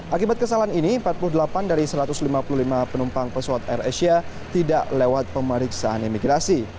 akibat kesalahan ini empat puluh delapan dari satu ratus lima puluh lima penumpang pesawat air asia tidak lewat pemeriksaan imigrasi